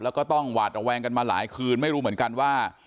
แล้วก็ต้องหวาดระแวงกันมาหลายคืนไม่รู้เหมือนกันว่า